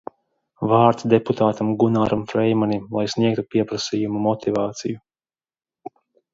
Vārds deputātam Gunāram Freimanim, lai sniegtu pieprasījuma motivāciju.